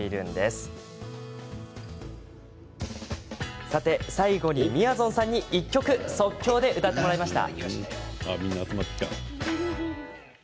旅の最後にみやぞんさんに１曲即興で歌ってもらいました。